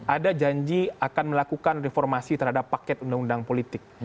ada janji akan melakukan reformasi terhadap paket undang undang politik